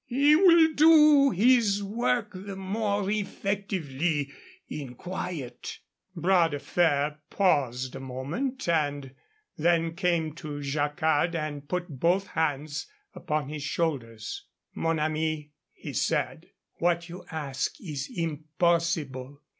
He will do his work the more effectively in quiet." Bras de Fer paused a moment and then came to Jacquard and put both hands upon his shoulders. "Mon ami," he said, "what you ask is impossible.